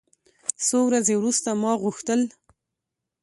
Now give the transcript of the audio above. څو ورځې وروسته ما غوښتل.